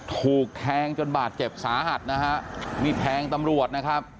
ถูกแทงจนบาดเจ็บสาหัสมีแทงตำรวจ